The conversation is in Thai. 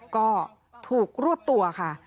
ก็ถูกรวบตัวค่ะ